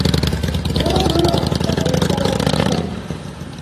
دا ورو او په ثابت ډول سوځي